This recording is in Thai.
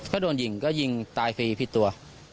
ก็โดนยิงก็ยิงตายฟรีผิดตัว